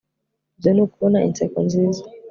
ibyo nukubona inseko nziza